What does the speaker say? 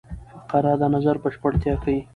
فقره د نظر بشپړتیا ښيي.